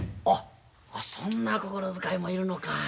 あっそんな心遣いもいるのか。